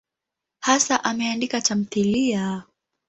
Hasa ameandika tamthiliya.